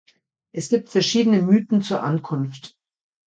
Es gibt verschiedene Mythen zur Ankunft.